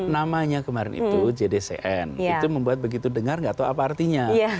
namanya kemarin itu jdcn itu membuat begitu dengar nggak tahu apa artinya